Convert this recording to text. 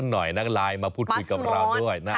และก็อยากจะทานสิหน่อยก็ไลน์มาพูดคุยกับเราด้วย